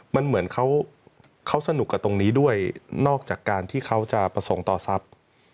มันเหมือนเขาสนุกกับตรงนี้ด้วยนอกจากการที่เขาจะประสงค์ต่อทรัพย์